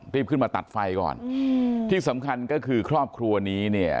รีบขึ้นมาตัดไฟก่อนอืมที่สำคัญก็คือครอบครัวนี้เนี่ย